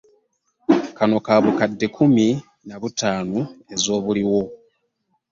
Kano ka bukadde kkumi na butaano ez'obuliwo.